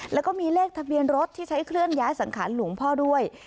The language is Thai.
แล้วก็มีเลขทะเบียนรถที่ใช้เคลื่อนย้ายสังขารหลวงพ่อด้วย